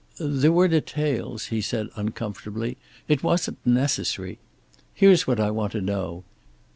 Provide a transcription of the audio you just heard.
"There were details," he said uncomfortably. "It wasn't necessary " "Here's what I want to know.